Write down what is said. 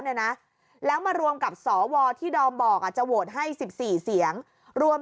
เนี่ยนะแล้วมารวมกับสวที่ดอมบอกจะโหวตให้๑๔เสียงรวม